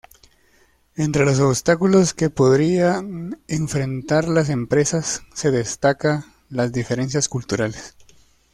Entre los obstáculos que podrían enfrentar las empresas se destaca las diferencias culturales.